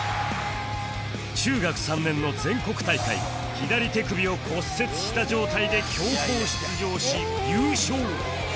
中学３年の全国大会左手首を骨折した状態で強行出場し優勝